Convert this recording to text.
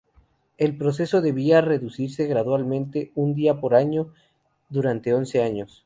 El proceso debía reducirse gradualmente un día por año, durante once años.